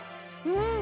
うん。